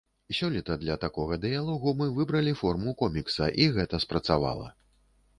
Сёлета для такога дыялогу мы выбралі форму комікса, і гэта спрацавала.